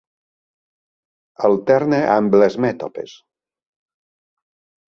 Alterna amb les mètopes.